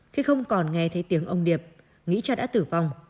khi không còn nghe thấy tiếng ông điệp nghĩ cha đã tử vong